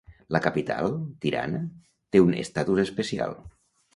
La Capital, Tirana, té un estatus especial.